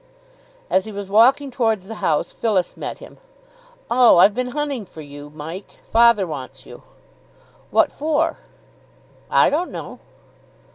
As he was walking towards the house, Phyllis met him. "Oh, I've been hunting for you, Mike; father wants you." "What for?" "I don't know."